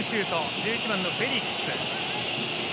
１１番、フェリックス。